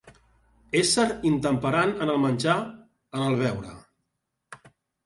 Ésser intemperant en el menjar, en el beure.